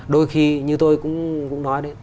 đôi khi như tôi cũng nói đấy